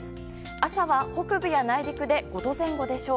朝は北部や内陸で５度前後でしょう。